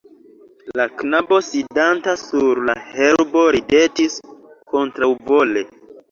La knabo sidanta sur la herbo ridetis, kontraŭvole.